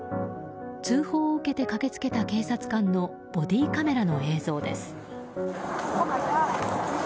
通報を受けて駆け付けた警察官のボディーカメラの映像です。